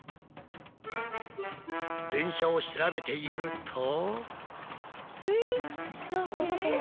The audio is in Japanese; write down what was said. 電車を調べていると。